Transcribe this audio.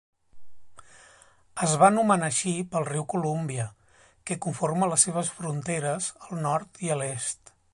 Es va anomenar així pel riu Columbia, que conforma les seves fronteres al nord i a l'est.